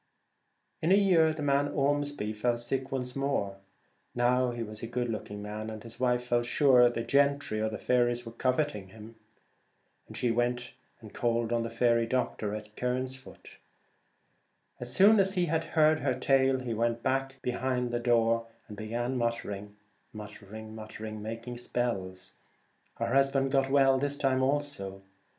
In a year the man Ormsby fell sick once more. Now he was a good looking man, and his wife felt sure the ' gentry were coveting him. She went and called on the ' faery doctor ' at Cairnsfoot. As soon as he had heard her tale, he went behind the back door and began muttering, muttering, muttering — making spells. Her husband got well this time also.